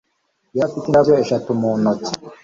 Yari afite indabyo eshatu mu ntoki